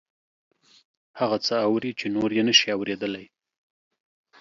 هغه څه اوري چې نور یې نشي اوریدلی